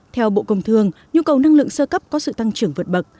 theo bộ công thương nhu cầu năng lượng sơ cấp có sự tăng trưởng vượt bậc